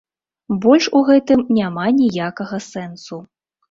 Больш у гэтым няма ніякага сэнсу.